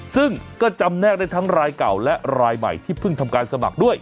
ซึ่งก็จำแนกได้ทั้งรายเก่าและรายใหม่ที่เพิ่งทำการสมัครด้วย